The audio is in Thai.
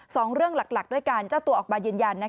สองเรื่องหลักด้วยการเจ้าตัวออกมายืนยัน